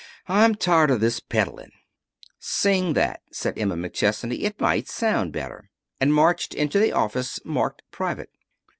I'm tired of this peddling." "Sing that," said Emma McChesney. "It might sound better," and marched into the office marked "Private."